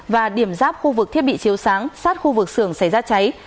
và điểm giáp khu vực thiết bị chiếu sáng sát khu vực xưởng xảy ra cháy